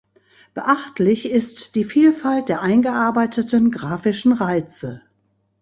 Beachtlich ist die Vielfalt der eingearbeiteten grafischen Reize.